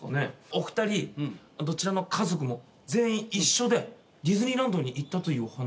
お二人どちらの家族も全員一緒でディズニーランドに行ったというお話。